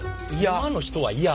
今の人は嫌。